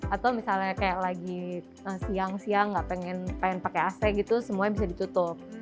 atau misalnya kayak lagi siang siang nggak pengen pakai ac gitu semuanya bisa ditutup